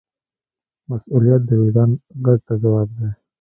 مسؤلیت د وجدان غږ ته ځواب دی.